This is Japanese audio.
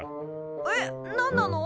えっ何なの？